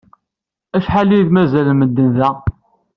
Acḥal i d-mazal n medden d da?